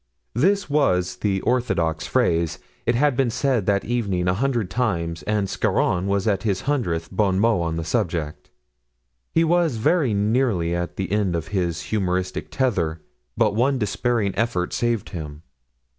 This was the orthodox phrase. It had been said that evening a hundred times—and Scarron was at his hundredth bon mot on the subject; he was very nearly at the end of his humoristic tether, but one despairing effort saved him.